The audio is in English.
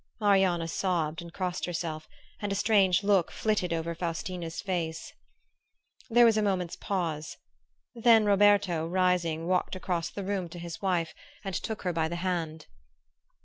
Marianna sobbed and crossed herself and a strange look flitted over Faustina's face. There was a moment's pause; then Roberto, rising, walked across the room to his wife and took her by the hand.